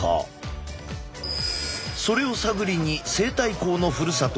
それを探りに西太后のふるさと